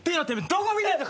どこ見てんだ。